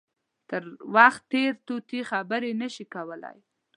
تر وخت تېر طوطي خبرې نه شي کولای.